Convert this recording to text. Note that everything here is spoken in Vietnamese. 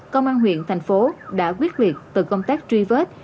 công an huyện thành phố đã quyết liệt từ công tác truy vết